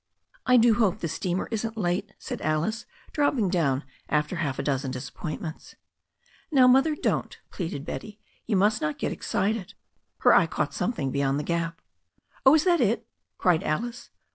"I do hope the steamer isn't late," said Alice, dropping down after half a dozen disappointments. "Now, Mother, don't," pleaded Betty. "You must not get excited." Her eye caught something beyond the gap. "Oh, is that it?" cried Alice.